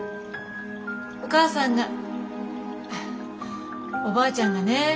お母さんがおばあちゃんがね